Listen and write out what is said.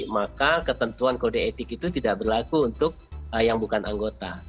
maka ketentuan kode etik itu tidak berlaku untuk yang bukan anggota